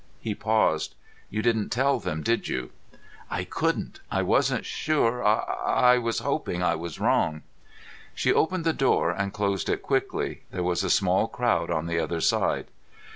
He paused. "You didn't tell them, did you?" "I couldn't. I wasn't sure. I was hoping I was wrong." She opened the door and closed it quickly. There was a small crowd on the other side.